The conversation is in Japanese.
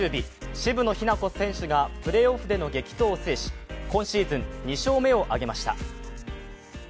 渋野日向子選手がプレーオフでの激闘を制し、今シーズン２勝目を挙げました。